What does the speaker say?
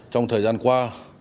trong thời gian qua